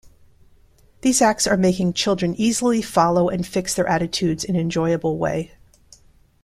These acts are making children easily follow and fix their attitudes in enjoyable way.